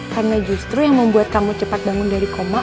karena justru yang membuat kamu cepat bangun dari koma